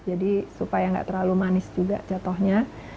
jadi supaya nggak terlalu manis juga jatohnya